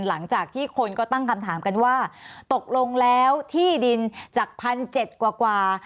หลังจากที่คนก็ตั้งคำถามกันว่าตกลงแล้วที่ดินจาก๑๗๐๐กว่า